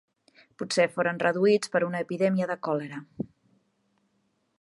Potser foren reduïts per una epidèmia de còlera.